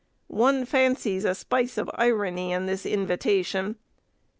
One fancies a spice of irony in this invitation.